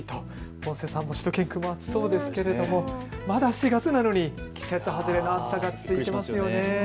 ポンセさんもしゅと犬くんも暑そうですけども、まだ４月なのに季節外れの暑さが続いていますよね。